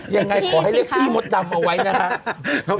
อย่างไรขอให้เล็กพี่หมดดำเอาไว้นะครับ